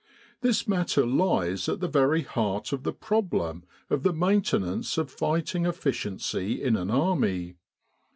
This matter lies at the very heart of the problem of the maintenance of fighting efficiency in an army.